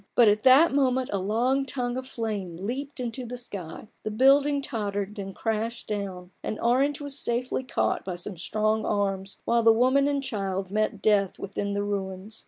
But at that moment a long tongue of flame leaped into the sky, the building tottered and then crashed down, and Orange was safely caught by some strong arms, while the woman and child met death within the ruins.